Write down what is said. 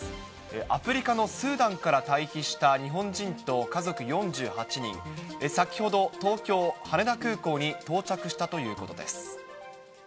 アフリカのスーダンから退避した日本人と家族４８人、先ほど東京・羽田空港に到着したということです。